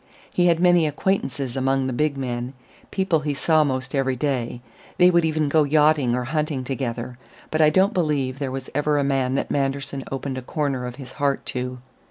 He had many acquaintances among the big men, people he saw 'most every day; they would even go yachting or hunting together. But I don't believe there ever was a man that Manderson opened a corner of his heart to.